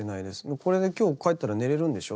「これで今日帰ったら寝れるんでしょ？